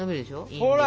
ほら！